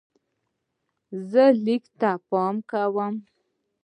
زه لیک ته پام کوم.